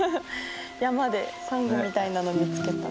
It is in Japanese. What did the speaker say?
山でサンゴみたいなの見つけた。